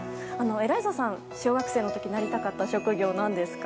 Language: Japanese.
エライザさんが小学生の時なりたかった職業は何ですか？